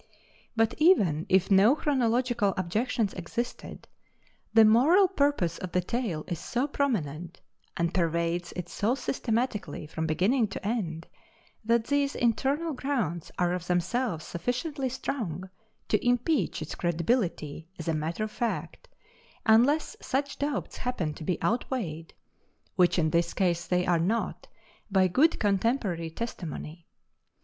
But even if no chronological objections existed, the moral purpose of the tale is so prominent, and pervades it so systematically from beginning to end, that these internal grounds are of themselves sufficiently strong to impeach its credibility as a matter of fact, unless such doubts happen to be out weighed which in this case they are not by good contemporary testimony.